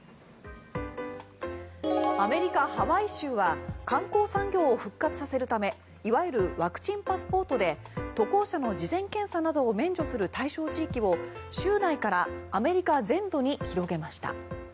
アメリカ・ハワイ州は観光産業を復活させるためいわゆるワクチンパスポートで渡航者の事前検査などを免除する対象地域を州内からアメリカ全土に広げました。